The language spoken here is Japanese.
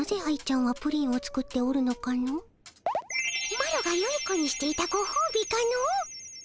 マロがよい子にしていたごほうびかの！